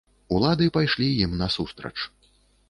Улады пайшлі ім насустрач.